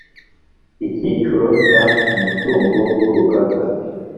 icyiciro cya umutungo w urugaga